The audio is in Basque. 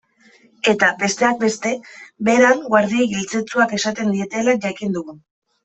Eta, besteak beste, Beran guardiei eltzetzuak esaten dietela jakin dugu.